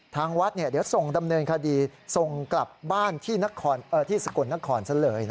ทางวัดเดี๋ยวส่งดำเนินคดีส่งกลับบ้านที่สกลนครซะเลย